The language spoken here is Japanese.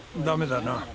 ダメだな。